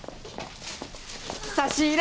差し入れ！